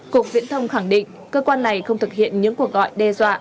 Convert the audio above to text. cục viễn thông khẳng định cơ quan này không thực hiện những cuộc gọi đe dọa